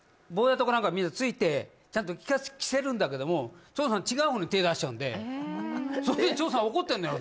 みんなちゃんと着せるんだけども長さん違う方に手出しちゃうんでそれで長さん怒ってんのよ